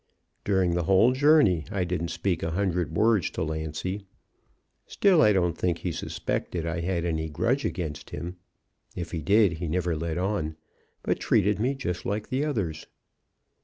During the whole journey I didn't speak a hundred words to Lancy. Still, I don't think he suspected I had any grudge against him. If he did, he never let on, but treated me just like the others.